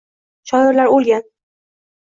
Shoirlar o’lgan.